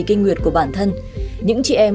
kinh nguyệt của bản thân những chị em